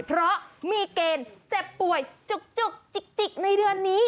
เพราะมีเกณฑ์เจ็บป่วยจุกจิกในเดือนนี้